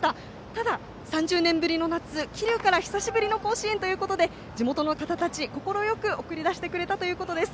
ただ、３０年ぶりの夏桐生から久しぶりの甲子園ということで地元の方たちは快く送り出してくれたということです。